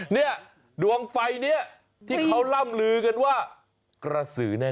เนี่ยดวงไฟเนี่ยที่เขาล่ำลือกันว่ากระสือแน่